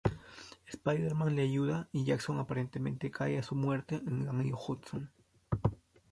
Spider-Man le ayuda y Jackson aparentemente cae a su muerte en el río Hudson.